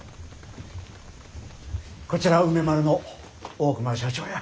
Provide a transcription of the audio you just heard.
こちら梅丸の大熊社長や。